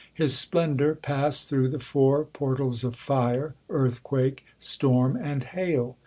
His splendor passed through the four portals of fire, earthquake, storm and hail.